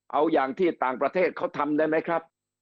เอาอย่างที่ต่างประเทศเขาทำได้ไหมครับ